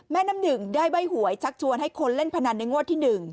น้ำหนึ่งได้ใบ้หวยชักชวนให้คนเล่นพนันในงวดที่๑